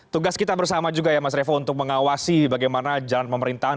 tugas kita bersama juga ya mas revo untuk mengawasi bagaimana jalan pemerintahan